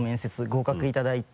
合格いただいて。